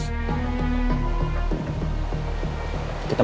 kita bergerak sekarang